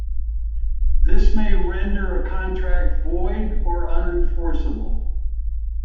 This may render a contract void or unenforceable.